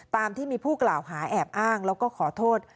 ตามที่มีผู้กล่าวหาแอบอ้างแล้วก็ขอโทษ